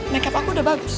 make up aku udah bagus